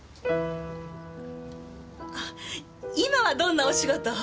あっ今はどんなお仕事を？